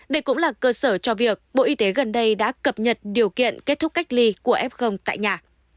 đây cũng là cơ sở cho việc bộ y tế gần đây đã cập nhật điều kiện kết thúc cách ly của f tại nhà